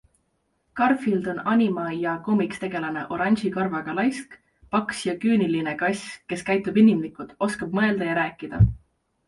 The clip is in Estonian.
Garfield on anima- ja koomiksitegelane, oranži karvaga laisk, paks ja küüniline kass, kes käitub inimlikult, oskab mõelda ja rääkida.